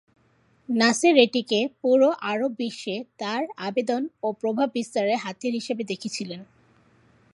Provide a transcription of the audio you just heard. নাসের এটিকে পুরো আরব বিশ্বে তার আবেদন ও প্রভাব বিস্তারের হাতিয়ার হিসেবে দেখেছিলেন।